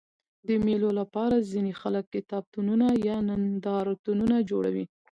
د مېلو له پاره ځيني خلک کتابتونونه یا نندارتونونه جوړوي.